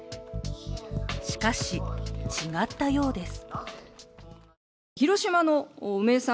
しかし、違ったようです。